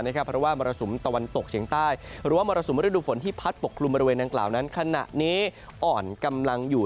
เพราะว่ามรสุมตะวันตกเฉียงใต้หรือว่ามรสุมฤดูฝนที่พัดปกกลุ่มบริเวณดังกล่าวนั้นขณะนี้อ่อนกำลังอยู่